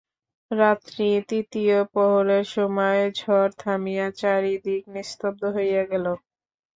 রাত্রি তৃতীয় প্রহরের সময় ঝড় থামিয়া চারি দিক নিস্তব্ধ হইয়া গেল।